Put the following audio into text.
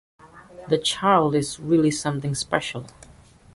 This child is really something special'.